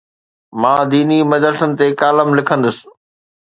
مان ديني مدرسن تي ڪالم لکندس.